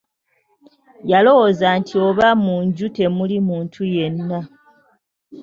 Yalowooza nti oba munju temuli muntu yenna.